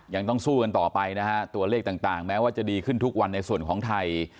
ยังต้องสู้กันต่อไปนะฮะตัวเลขต่างแม้ว่าจะดีขึ้นทุกวันในส่วนของไทย